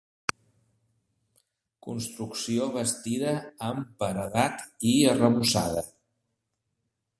Construcció bastida amb paredat i arrebossada.